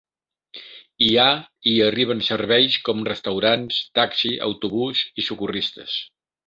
Hi ha i hi arriben serveis com restaurants, taxi, autobús i socorristes.